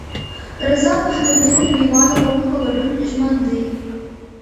رضا پهلوي د نړیوالو غونډو په ګډون ژمن دی.